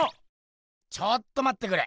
ちょっとまってくれ。